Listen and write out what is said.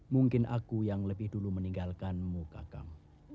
mungkin aku yang lebih dulu meninggalkanmu kakang